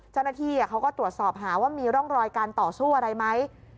เจ้าหน้าที่เขาก็ตรวจสอบหาว่ามีร่องรอยการต่อสู้อะไรไหม